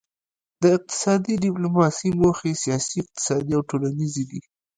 د اقتصادي ډیپلوماسي موخې سیاسي اقتصادي او ټولنیزې دي